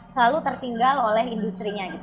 selalu tertinggal oleh industri nya gitu